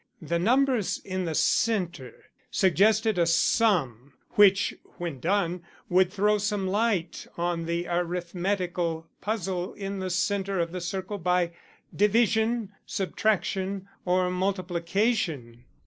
The numbers in the centre suggested a sum, which, when done, would throw some light on the arithmetical puzzle in the centre of the circle by division, subtraction, or multiplication.